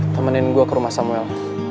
temenin gue ke rumah samuel